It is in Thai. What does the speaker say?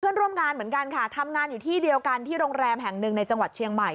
เพื่อนร่วมงานเหมือนกันค่ะทำงานอยู่ที่เดียวกันที่โรงแรมแห่งหนึ่งในจังหวัดเชียงใหม่